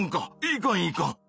いかんいかん！